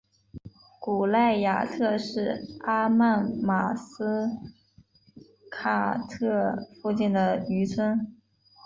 古赖亚特是阿曼马斯喀特附近的渔村。